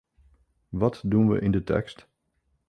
Wat doen we in de tekst?